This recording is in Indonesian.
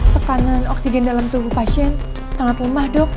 tekanan oksigen dalam tubuh pasien sangat lemah dok